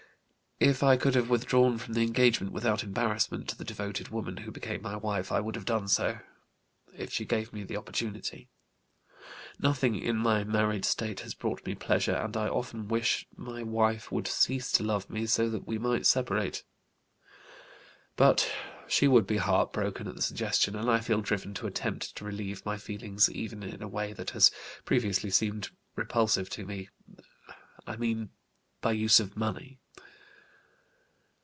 If I could have withdrawn from the engagement without embarrassment to the devoted woman who became my wife I would have done so, if she gave me the opportunity. Nothing in my married state has brought me pleasure and I often wish my wife would cease to love me so that we might separate. But she would be heart broken at the suggestion and I feel driven to attempt to relieve my feelings even in a way that has previously seemed repulsive to me, I mean by use of money.